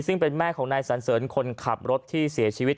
ซึ่งเป็นแม่ของนายสันเสริญคนขับรถที่เสียชีวิต